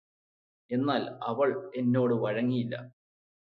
എന്നാല് അവൾ എന്നോട് വഴങ്ങിയില്ല